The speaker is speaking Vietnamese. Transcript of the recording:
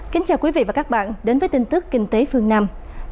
kính chào quý vị và các bạn đến với tin tức kinh tế phương nam